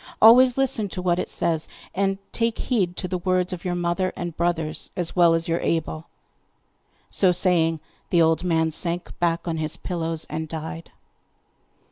Always listen to what it says, and take heed to the words of your mother and brothers, as well as you are able!' So saying the old man sank back on his pillows and died.